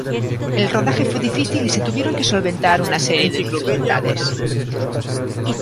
El rodaje fue difícil y se tuvieron que solventar una serie de dificultades.